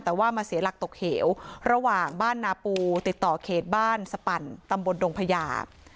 แต่ว่ามาเสียหลักตกเหวระหว่างบ้านนาปูติดต่อเขตบ้านสปั่นตำบลดงพญา